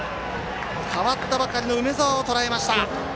代わったばかりの梅澤をとらえました。